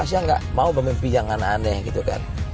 saya gak mau bermimpi yang aneh aneh gitu kan